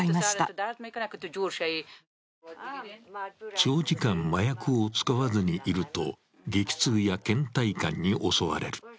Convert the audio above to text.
長時間、麻薬を使わずにいると激痛やけん怠感に襲われる。